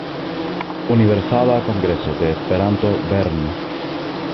Universala Kongreso de Esperanto Bern“.